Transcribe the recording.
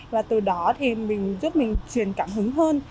và từ đó thì mình giúp mình truyền cảm hứng hơn